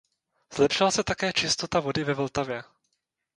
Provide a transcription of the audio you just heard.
Zlepšila se také čistota vody ve Vltavě.